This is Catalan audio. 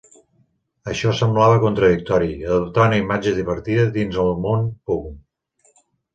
Això semblava contradictori, adoptar una imatge divertida dins del món Punk.